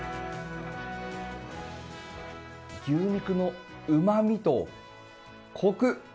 牛肉のうまみとコク。